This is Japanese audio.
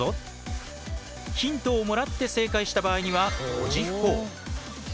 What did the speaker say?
ヒントをもらって正解した場合には５０ほぉ。